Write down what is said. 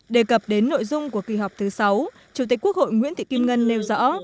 đề cập đến nội dung của kỳ họp thứ sáu chủ tịch quốc hội nguyễn thị kim ngân nêu rõ